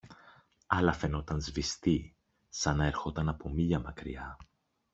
αλλά φαινόταν σβηστή, σαν να ερχόταν από μίλια μακριά